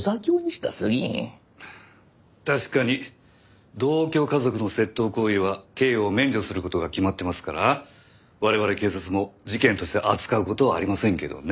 確かに同居家族の窃盗行為は刑を免除する事が決まってますから我々警察も事件として扱う事はありませんけどね。